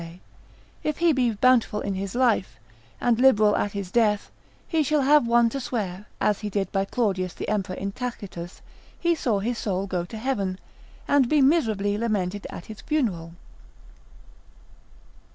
—If he be bountiful in his life, and liberal at his death, he shall have one to swear, as he did by Claudius the Emperor in Tacitus, he saw his soul go to heaven, and be miserably lamented at his funeral.